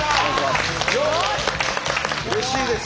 うれしいです。